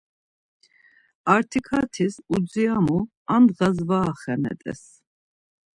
Artikartis udziramu ar ndğas var axenet̆es.